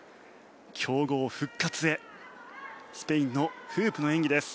強豪復活へスペインのフープの演技です。